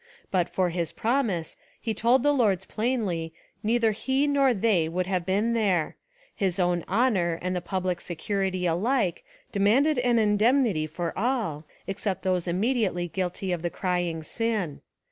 But for his promise, he told the Lords plainly, neither he nor they would have been there; his own honour and the public security alike demanded an indemnity for all except those immediately guilty of the crying sin.